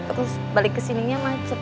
terus balik kesininya macet